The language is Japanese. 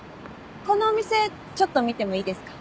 このお店ちょっと見てもいいですか？